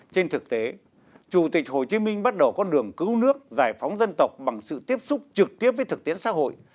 trên thực tế chủ tịch hồ chí minh bắt đầu con đường cứu nước giải phóng dân tộc bằng sự tiếp xúc trực tiếp với thực tiễn xã hội